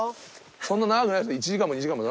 そんな長くないです。